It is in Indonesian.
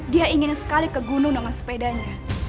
dia ingin sekali ke gunung dengan sepedanya